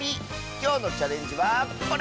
きょうのチャレンジはこれ！